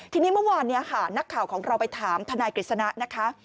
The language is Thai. ทีนี้เมื่อวานนี้ค่ะนักข่าวของเราไปถามทนายกฤษณะนะคะ